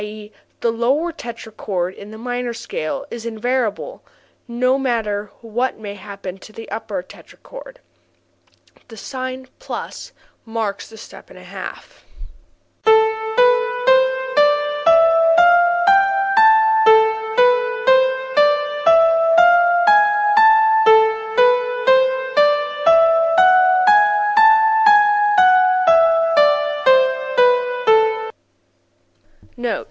e._, the lower tetrachord in the minor scale is invariable no matter, what may happen to the upper tetrachord. The sign + marks the step and a half.